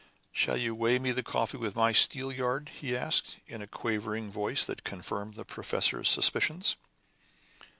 "Shall you weigh me the coffee with my steelyard?" he asked, in a quavering voice that confirmed the professor's suspicions.